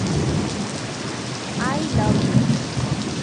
I love you.